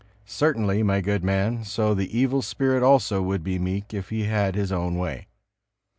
Certainly, my good man, so the evil spirit also would be meek if he had his own way.